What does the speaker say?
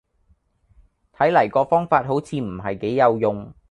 睇黎個方法好似唔係幾有用